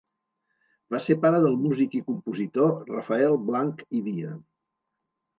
Va ser pare del músic i compositor Rafael Blanch i Via.